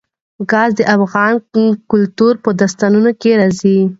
ګاز د افغان کلتور په داستانونو کې راځي.